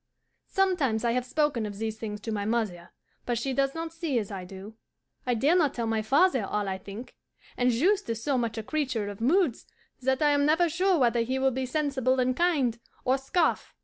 Sometimes I have spoken of these things to my mother, but she does not see as I do. I dare not tell my father all I think, and Juste is so much a creature of moods that I am never sure whether he will be sensible and kind, or scoff.